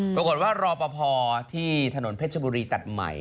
ปรากฏว่ารอปภที่ถนนเพชรบุรีตัดใหม่